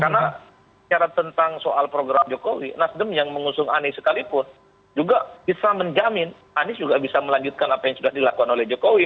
karena bicara tentang soal program jokowi nasdem yang mengusung anies sekalipun juga bisa menjamin anies juga bisa melanjutkan apa yang sudah dilakukan oleh jokowi